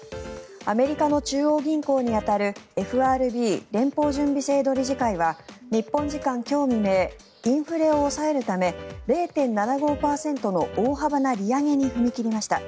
アメリカの中央銀行に当たるＦＲＢ・連邦準備制度理事会は日本時間今日未明インフレを抑えるため０．７５％の大幅な利上げに踏み切りました。